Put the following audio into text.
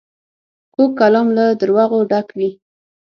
کوږ کلام له دروغو ډک وي